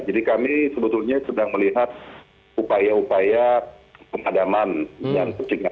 jadi kami sebetulnya sedang melihat upaya upaya pengadaman yang tertinggal